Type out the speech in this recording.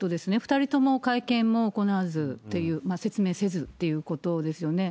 ２人とも会見も行わずっていう、説明せずということですよね。